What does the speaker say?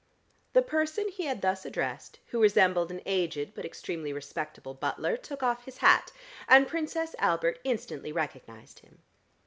The person he had thus addressed, who resembled an aged but extremely respectable butler, took off his hat, and Princess Albert instantly recognised him.